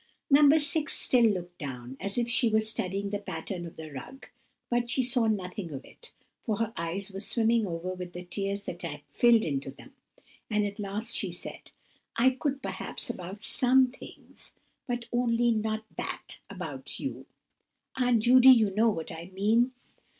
No. 6 still looked down, as if she were studying the pattern of the rug, but she saw nothing of it, for her eyes were swimming over with the tears that had filled into them, and at last she said:— "I could, perhaps, about some things, but only not that about you. Aunt Judy, you know what I mean."